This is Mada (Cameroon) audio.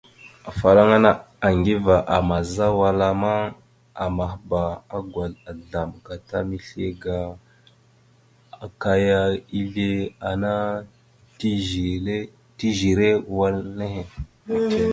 Afalaŋa Aŋgiva àmaza wala ma, amahba agwazl azzlam gata misle akaya aga izle ana tèzire wal nehe.